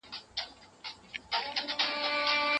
یوازې الله د حقیقي بخښنې واک لري.